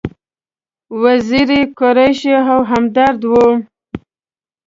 وزیری، قریشي او همدرد و.